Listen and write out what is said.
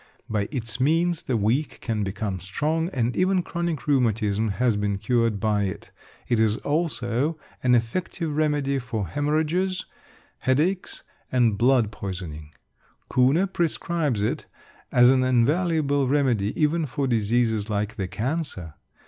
By its means the weak can become strong; and even chronic rheumatism has been cured by it. It is also an effective remedy for haemorrhages, headaches, and blood poisoning. Kuhne prescribes it as an invaluable remedy even for diseases like the cancer.